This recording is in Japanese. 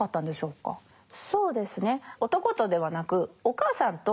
そうですね。